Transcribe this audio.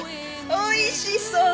おいしそう。